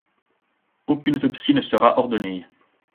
Aucune autopsie ne sera ordonnée.